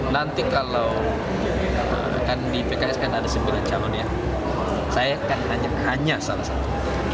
nanti kalau akan di pks kan ada sembilan calon ya saya akan hanya salah satu